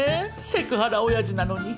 セクハラおやじなのに。